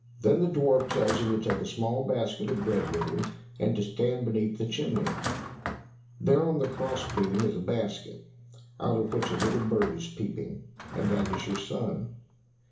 Then the dwarf tells him to take a small basket of bread with him, and to stand beneath the chimney. "There on the cross beam is a basket, out of which a little bird is peeping, and that is your son."